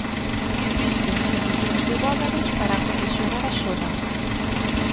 Invístense millóns de dólares para acondicionar a zona.